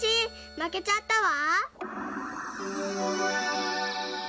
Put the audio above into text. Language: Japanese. まけちゃったわ。